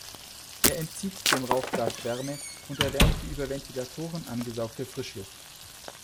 Er entzieht dem Rauchgas Wärme und erwärmt die über Ventilatoren angesaugte Frischluft.